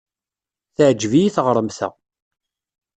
Teɛjeb-iyi teɣremt-a.